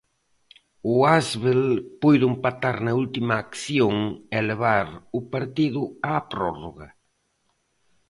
O Asvel puido empatar na última acción e levar o partido á prórroga.